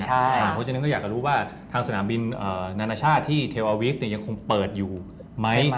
เพราะฉะนั้นก็อยากจะรู้ว่าทางสนามบินนานาชาติที่เทวาวิฟยังคงเปิดอยู่ไหม